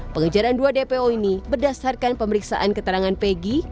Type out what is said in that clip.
pengejaran dua dpo ini berdasarkan pemeriksaan keterangan peggy